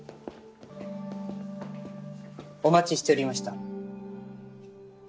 お待ちしておりました。